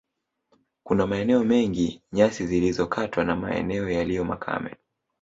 Kuna maeneo mengi nyasi zilikokatwa na maeneo yaliyo makame